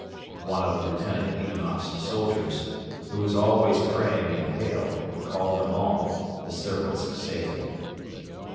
One of Lieutenant Ivanoff's soldiers, who was always praying and pale, called them all "the servants of Satan."